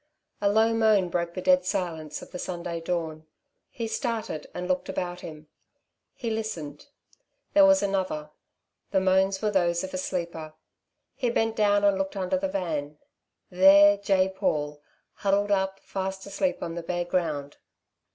A low moan broke the dead silence of the Sunday dawn. He started and looked about him. He listened. There was another. The moans were those of a sleeper. He bent down and looked under the van. There lay Paul, huddled up, fast asleep on the bare ground.